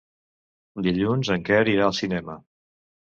Dilluns en Quer irà al cinema.